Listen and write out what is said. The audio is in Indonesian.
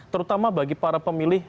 terutama bagi para pemerintah